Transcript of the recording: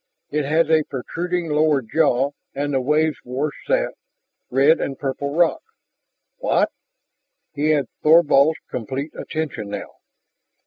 "It has a protruding lower jaw and the waves wash that ... red and purple rock " "What?" He had Thorvald's complete attention now.